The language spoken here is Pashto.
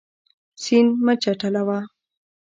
سیند مه چټلوه.